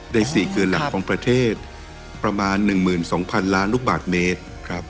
ใน๔คืนหลักของประเทศประมาณ๑๒๐๐๐ล้านลูกบาทเมตร